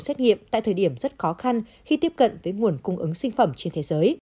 xét nghiệm tại thời điểm rất khó khăn khi tiếp cận với nguồn cung ứng sinh phẩm trên thế giới